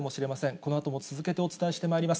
このあとも続けてお伝えしてまいります。